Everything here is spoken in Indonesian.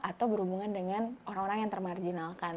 atau berhubungan dengan orang orang yang termarjinalkan